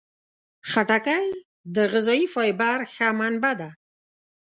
خټکی د غذايي فایبر ښه منبع ده.